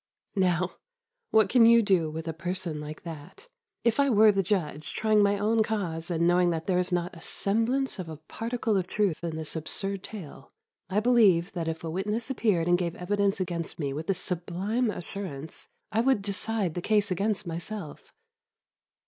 Now, what can you do with a person like that? If I were the judge, trying my own cause and knowing there is not a semblance of a particle of truth in this absurd tale, I believe that if a witness appeared and gave evidence against me with this sublime assurance, I would decide the case against myself.